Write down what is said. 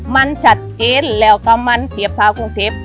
มันชัดเจนแล้วก็มันเสียบเท้ากรุงเทพ